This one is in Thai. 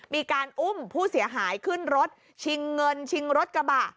มีการอุ้มผู้เสียหายขึ้นรถชิงเงินชิงรถกระบะ